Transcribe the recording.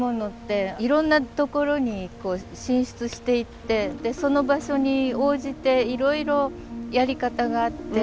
いろんなところに進出していってその場所に応じていろいろやり方があって。